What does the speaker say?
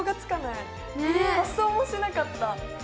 発想もしなかった。